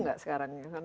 itu sibuk nggak sekarang